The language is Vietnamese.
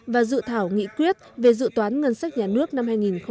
và dự thảo nghị quyết về dự toán ngân sách nhà nước năm hai nghìn một mươi tám